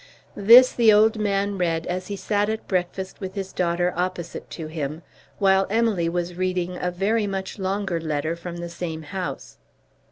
This the old man read as he sat at breakfast with his daughter opposite to him, while Emily was reading a very much longer letter from the same house.